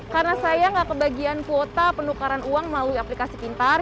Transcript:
karena saya nggak kebagian kuota penukaran uang melalui aplikasi pintar